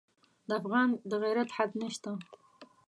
د افغان د غیرت حد نه شته.